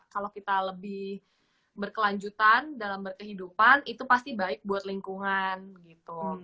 kalau kita lebih berkelanjutan dalam berkehidupan itu pasti baik buat lingkungan gitu